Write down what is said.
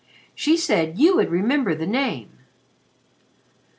"She said you would remember the name."